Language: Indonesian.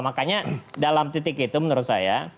makanya dalam titik itu menurut saya